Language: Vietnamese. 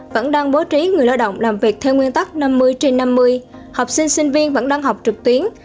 vẫn đang bố trí người lao động làm việc theo nguyên tắc năm mươi trên năm mươi học sinh sinh viên vẫn đang học trực tuyến